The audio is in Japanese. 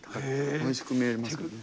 おいしく見えますからね。